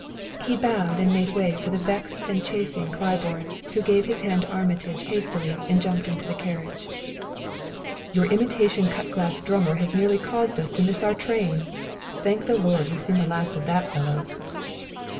He bowed and made way for the vexed and chafing Claiborne, who gave his hand to Armitage hastily and jumped into the carriage. "Your imitation cut glass drummer has nearly caused us to miss our train. Thank the Lord, we've seen the last of that fellow."